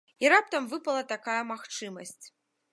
І раптам выпала такая магчымасць.